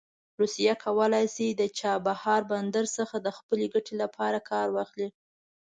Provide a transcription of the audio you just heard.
روسیه کولی شي د چابهار بندر څخه د خپلې ګټې لپاره کار واخلي.